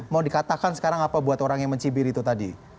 mau dikatakan sekarang apa buat orang yang mencibir itu tadi